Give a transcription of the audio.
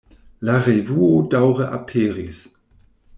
La revuo daŭre aperis.